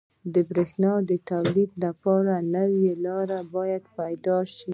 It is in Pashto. • د برېښنا د تولید لپاره نوي لارې باید پیدا شي.